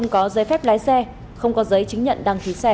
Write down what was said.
có giấy phép lái xe không có giấy chứng nhận đăng ký xe